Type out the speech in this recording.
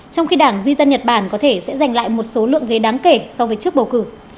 trong khi đảng duy tân nhật bản có thể sẽ giành lại một số lượng ghế đáng kể so với trước bầu cử